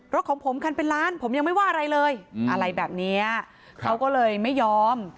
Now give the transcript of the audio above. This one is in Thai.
ของผมคันเป็นล้านผมยังไม่ว่าอะไรเลยอะไรแบบเนี้ยเขาก็เลยไม่ยอม